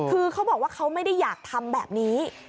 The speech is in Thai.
คือเขาบอกว่าเขาไม่ได้อยากทำแบบนี้